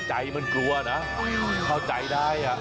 ใจมันกลัวนะเข้าใจได้